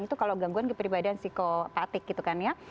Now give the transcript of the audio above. itu kalau gangguan kepribadian psikopatik gitu kan ya